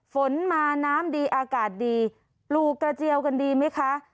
ฝนมาน้ำดีอากาศดีปลูกกระเจียวกันดีไหมคะ